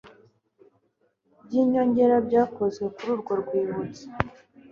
by inyongera byakozwe kuri urwo rwibutso